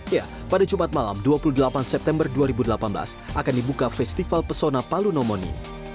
ya pada jumat malam dua puluh delapan september dua ribu delapan belas akan dibuka festival pesona palu nomoni